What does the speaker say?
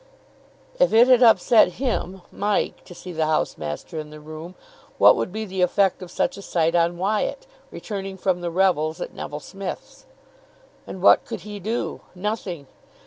If it had upset him (Mike) to see the house master in the room, what would be the effect of such a sight on Wyatt, returning from the revels at Neville Smith's! And what could he do? Nothing.